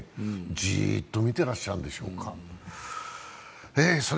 じーっと見てらっしゃるんでしょうか。